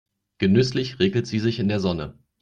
Genüsslich räkelt sie sich in der Sonne.